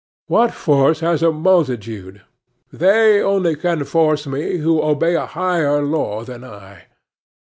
What force has a multitude? They only can force me who obey a higher law than I.